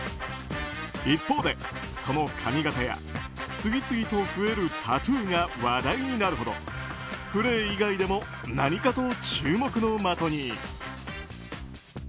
一方で、その髪形や次々と増えるタトゥーが話題になるほどプレー以外でも何かと注目の的に。